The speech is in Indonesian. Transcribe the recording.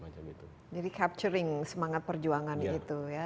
jadi capturing semangat perjuangan gitu ya